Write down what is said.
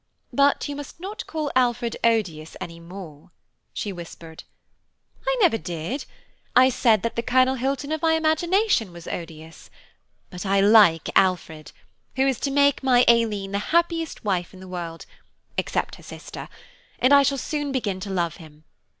"But you must not call Alfred odious any more," she whispered. "I never did–I said that the Colonel Hilton of my imagination was odious; but I like Alfred, who is to make my Aileen the happiest wife in the world, except her sister; and I shall soon begin to love him.